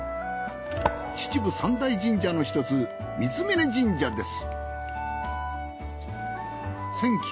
秩父三大神社のひとつ三峯神社です。